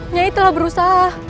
nyai telah berusaha